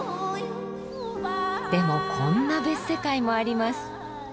でもこんな別世界もあります。